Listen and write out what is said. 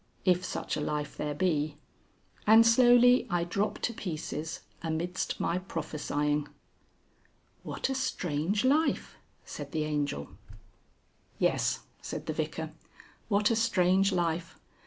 If such a life there be. And slowly I drop to pieces amidst my prophesying." "What a strange life!" said the Angel. "Yes," said the Vicar. "What a strange life!